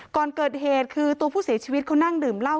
ก่อนเกิดเหตุคือตัวผู้เสียชีวิตเขานั่งดื่มเหล้า